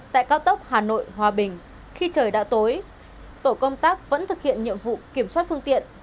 tại cao tốc hà nội hòa bình khi trời đã tối tổ công tác vẫn thực hiện nhiệm vụ kiểm soát phương tiện